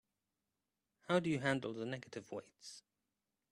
How do you handle the negative weights?